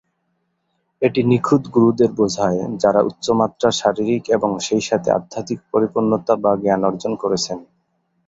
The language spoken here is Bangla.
এটি নিখুঁত গুরুদের বোঝায় যারা উচ্চ মাত্রার শারীরিক এবং সেইসাথে আধ্যাত্মিক পরিপূর্ণতা বা জ্ঞান অর্জন করেছেন।